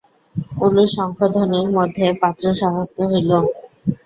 উলু-শঙ্খধ্বনির মধ্যে পাত্র সভাস্থ হইল।